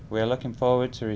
hoặc địa chỉ email